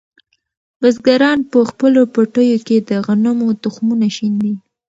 بزګران په خپلو پټیو کې د غنمو تخمونه شیندي.